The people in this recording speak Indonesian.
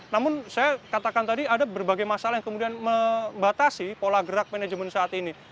namun saya katakan tadi ada berbagai masalah yang kemudian membatasi pola gerak manajemen saat ini